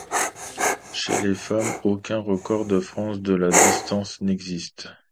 Chez les femmes, aucun record de France de la distance n'existe.